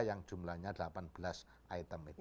yang jumlahnya delapan belas item itu